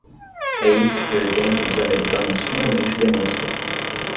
É isso que o exemplo dos americanos finalmente demonstra.